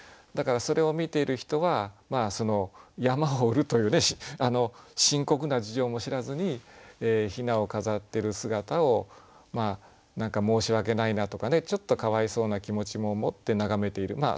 だからそれを見ている人は山を売るという深刻な事情も知らずに雛を飾ってる姿を何か申し訳ないなとかねちょっとかわいそうな気持ちももって眺めている。